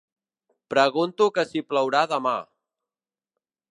Pregunto que si plourà demà.